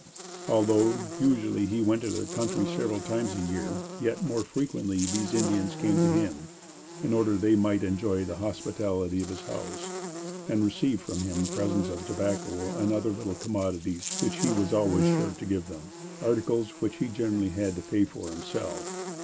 Although, usually, he went to their country several times in a year, yet, more frequently, these Indians came to him in order that they might enjoy the hospitality of his house, and receive from him presents of tobacco and other little commodities which he was always sure to give them articles which he generally had to pay for himself.